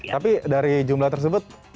tapi dari jumlah tersebut